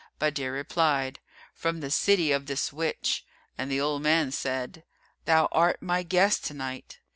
Badr replied, "From the city of this witch"; and the old man said, "Thou art my guest to night."